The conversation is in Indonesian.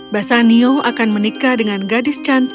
bassanio akan menikah dengan gadis cantik dan berpengalaman